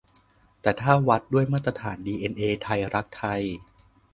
แต่ถ้าวัดด้วยมาตรฐานดีเอ็นเอไทยรักไทย